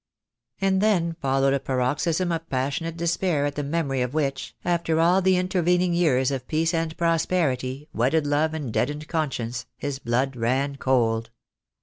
And then followed a paroxysm of passionate despair at the memory of which, after all the intervening years of peace and prosperity, wedded love and deadened con science, his blood ran cold.